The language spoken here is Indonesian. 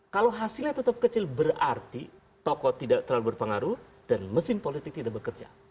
kalau hasilnya tetap kecil berarti tokoh tidak terlalu berpengaruh dan mesin politik tidak bekerja